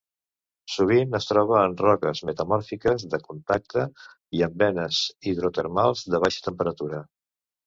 Sovint es troba en roques metamòrfiques de contacte i en venes hidrotermals de baixa temperatura.